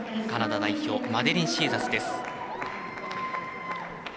カナダ代表、マデリン・シーザス。